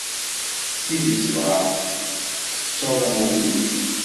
D tidet dɣa, tettuḍ amulli-k?